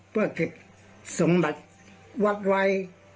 เพื่อเก็บสมบัติวัดไว้